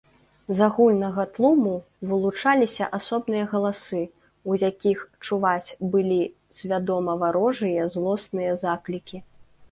З агульнага тлуму вылучаліся асобныя галасы, у якіх чуваць былі свядома варожыя злосныя заклікі.